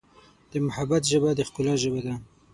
د محبت ژبه د ښکلا ژبه ده.